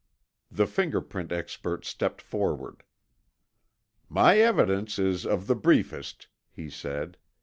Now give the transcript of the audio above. The finger print expert stepped forward. "My evidence is of the briefest," he said.